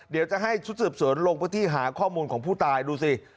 เดี๋ยวจะให้ชุดสืบสวนลงพื้นที่หาข้อมูลของผู้ตายดูสิ